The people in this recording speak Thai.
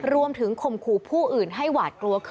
รวมถึงข่มขู่ผู้อื่นให้หวาดกลัว